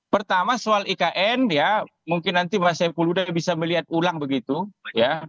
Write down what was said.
pertama soal ikn ya mungkin nanti pak saiful huda bisa melihat ulang begitu ya